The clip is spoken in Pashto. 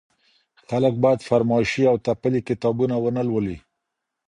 خلګ بايد فرمايشي او تپلي کتابونه ونه لولي.